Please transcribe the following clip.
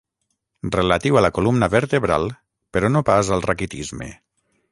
Relatiu a la columna vertebral, però no pas al raquitisme.